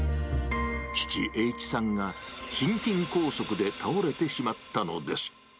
父、英一さんが、心筋梗塞で倒れてしまったのです。